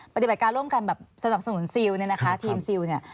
ปฏิบัติการร่วมกันแบบสนับสนุนซิลเนี่ยนะคะทีมซิลเนี่ย